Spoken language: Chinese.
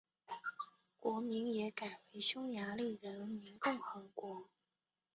国名也改为匈牙利人民共和国。